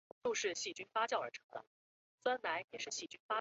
讷伊莱旺丹。